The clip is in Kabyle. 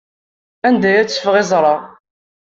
Anda ay ttafeɣ iẓra-a?